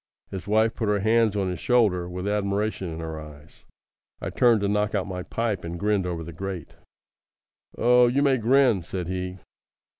His wife put her hands on his shoulder with admiration in her eyes. I turned to knock out my pipe, and grinned over the grate. "Oh, you may grin," said he.